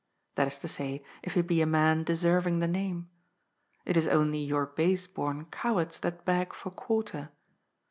That is to say, if he be a man deserving the name. It is only your base bom cowards that beg for quarter.